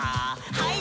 はい。